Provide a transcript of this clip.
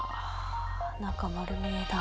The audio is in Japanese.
中丸見えだ。